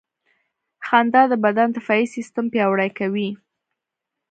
• خندا د بدن دفاعي سیستم پیاوړی کوي.